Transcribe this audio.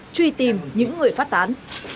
truy tìm những người phát tán